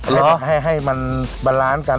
แล้วให้มันบาลานซ์กัน